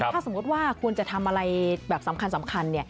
ถ้าสมมุติว่าควรจะทำอะไรแบบสำคัญ